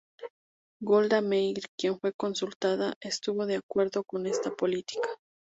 Golda Meir, quien fue consultada, estuvo de acuerdo con esta política.